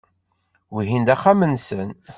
Wihin d axxam-nsen.